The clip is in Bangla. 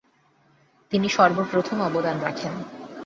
তিনি সর্ব প্রথম অবদান রাখেন ।